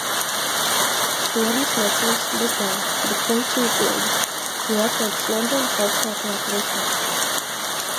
Tornis necils bez gala, bet funkciju pilda, jo atrodas Londonas augstākajā punktā.